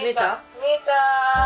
見えた。